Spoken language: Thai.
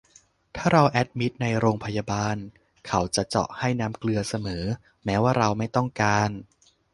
ถ้าเราแอดมิทในโรงพยาบาล เขาจะเจาะให้น้ำเกลือเสมอ แม้ว่าเราไม่ต้องการ